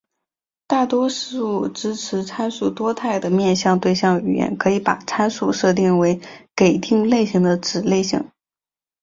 大多数支持参数多态的面向对象语言可以把参数限定为给定类型的子类型。